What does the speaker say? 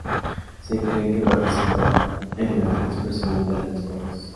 Se cree que participa en la dispersión de las esporas.